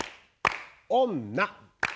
女。